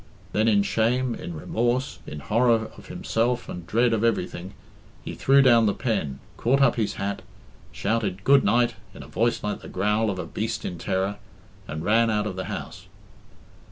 Then in shame, in remorse, in horror of himself and dread of everything, he threw down the pen, caught up his hat, shouted "Good night" in a voice like the growl of a beast in terror, and ran out of the house.